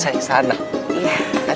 saya harus cari yang mau ke sana